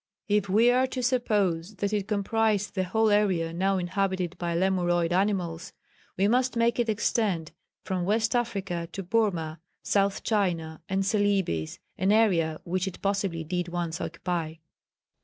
If we are to suppose that it comprised the whole area now inhabited by Lemuroid animals, we must make it extend from West Africa to Burmah, South China and Celebes, an area which it possibly did once occupy."